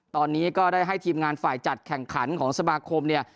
ตอนนี้ก็ได้ให้ทีมงานฝ่ายจัดแข่งขันของสมาคมเนี่ย